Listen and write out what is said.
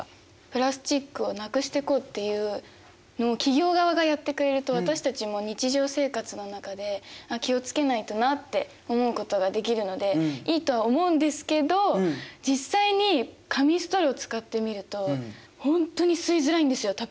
プラスチックをなくしていこうっていうのを企業側がやってくれると私たちも日常生活の中で「あっ気を付けないとな」って思うことができるのでいいとは思うんですけど実際に紙ストロー使ってみると本当に吸いづらいんですよタピオカが。